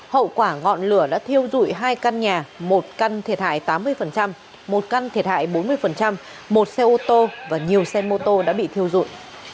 hậu quả ngọn lửa đã thiêu dụi hai căn nhà một căn thiệt hại tám mươi một căn thiệt hại bốn mươi một xe ô tô và nhiều xe mô tô đã bị thiêu dụi